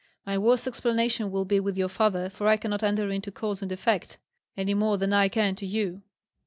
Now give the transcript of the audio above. My worst explanation will be with your father, for I cannot enter into cause and effect, any more than I can to you."